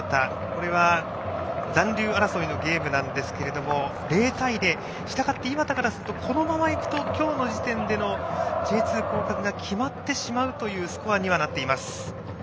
これは残留争いのゲームなんですけれど０対０したがって磐田からするとこのままいくと今日の時点でのＪ２降格が決まってしまうというスコアにはなっています。